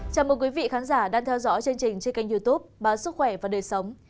chào mừng quý vị khán giả đang theo dõi chương trình trên kênh youtube báo sức khỏe và đời sống